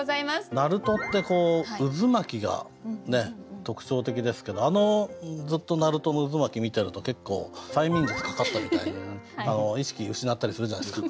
なるとってこう渦巻きが特徴的ですけどあのずっとなるとの渦巻き見てると結構催眠術かかったみたいに意識失ったりするじゃないですか。